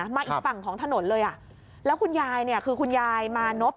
มาอีกฝั่งของถนนเลยอ่ะแล้วคุณยายเนี่ยคือคุณยายมานพ